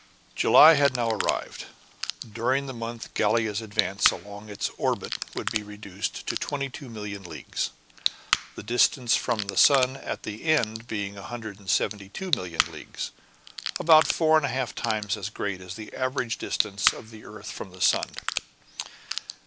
July had now arrived. During the month Gallia's advance along its orbit would be reduced to 22,000,000 leagues, the distance from the sun at the end being 172,000,000 leagues, about four and a half times as great as the average distance of the earth from the sun.